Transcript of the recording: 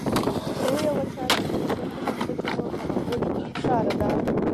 لویه وچه د زبېښونکو بنسټونو په منګلو کې ایساره ده.